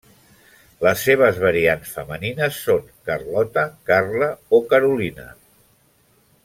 Les seves variants femenines són Carlota, Carla o Carolina.